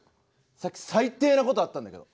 さっき最低なことあったんだけど。